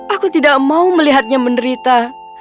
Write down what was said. aku tidak mau melihatnya menderita